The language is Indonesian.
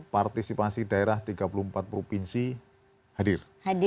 partisipasi daerah tiga puluh empat provinsi hadir